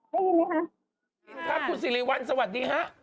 ได้ยินไหมคะได้ยินครับคุณสิริวัลสวัสดีฮะ